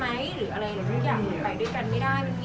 หรืออะไรหลายอย่างหลายไปด้วยกันไม่ได้